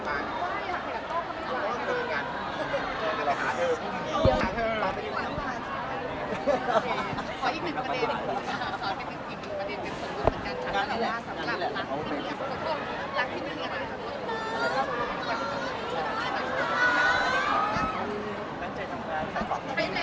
บ๊ายบายบ๊ายบายบ๊ายบาย